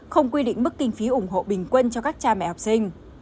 không quy định mức kinh phí ủng hộ bình quân cho các cha mẹ học sinh